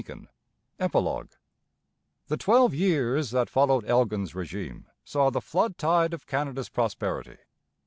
EPILOGUE The twelve years that followed Elgin's régime saw the flood tide of Canada's prosperity.